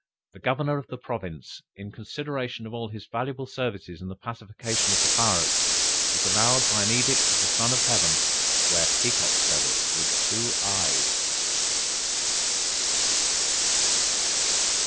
the Governor of the province, in consideration of his valuable services in the pacification of the pirates, was allowed by an edict of the "Son of Heaven," to wear peacocks' feathers with two eyes!